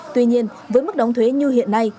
tuy nhiên với mức đóng thuế như hiện nay